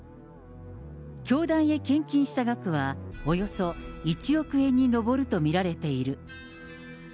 教団へ献金した額は、およそ１億円に上ると見られている。